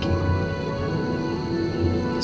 disini mereka saling berbagi